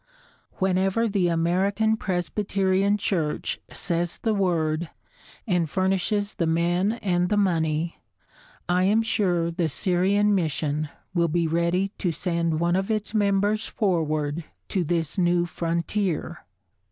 Whenever the American Presbyterian Church says the word and furnishes the men and the money, I am sure the Syrian mission will be ready to send one of its members forward to this new frontier.